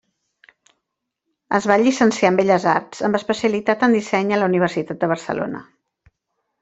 Es va llicenciar en Belles Arts amb especialitat en disseny a la Universitat de Barcelona.